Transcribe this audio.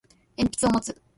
鉛筆を持つ